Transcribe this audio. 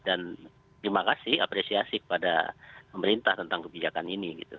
dan terima kasih apresiasi kepada pemerintah tentang kebijakan ini